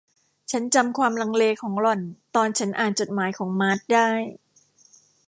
ฉันจำความลังเลของหล่อนตอนฉันอ่านจดหมายของมาร์ธได้